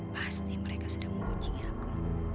pasti mereka sedang menggunjingi aku